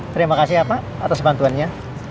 terima kasih pak atas bantuannya